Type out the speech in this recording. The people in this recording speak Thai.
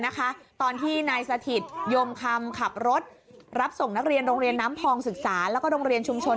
ตอนที่นายสถิตยมคำขับรถรับส่งนักเรียนโรงเรียนน้ำพองศึกษาแล้วก็โรงเรียนชุมชน